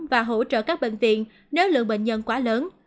và hỗ trợ các bệnh viện nếu lượng bệnh nhân quá lớn